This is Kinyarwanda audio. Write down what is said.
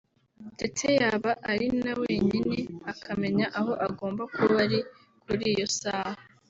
ndetse yaba ari na wenyine akamenya aho agomba kuba ari kuri iyo saha